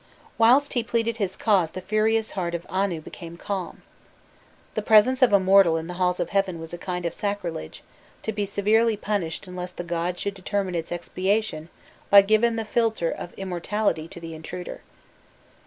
'" Whilst he pleaded his cause the furious heart of Anu became calm. The presence of a mortal in the halls of heaven was a kind of sacrilege, to be severely punished unless the god should determine its expiation by giving the philtre of immortality to the intruder.